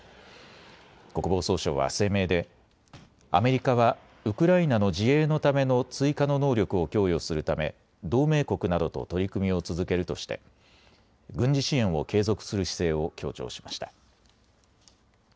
国防総省は声明でアメリカはウクライナの自衛のための追加の能力を供与するため同盟国などと取り組みを続けるとして軍事支援を継続する姿勢を強調しました。